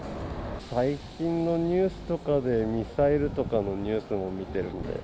最近のニュースとかで、ミサイルとかのニュースも見てるんで。